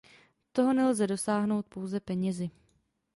Toho nelze dosáhnout pouze penězi.